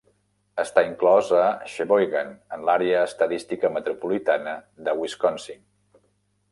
Està inclòs a Sheboygan, en l'àrea estadística metropolitana de Wisconsin.